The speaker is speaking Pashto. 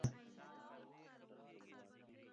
موافقان مخالفان دواړه لحاظ وکړي.